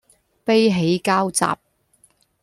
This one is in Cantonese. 悲喜交集